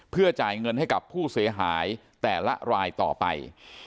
เพื่อจ่ายเงินให้กับผู้เสียหายแต่ละรายต่อไป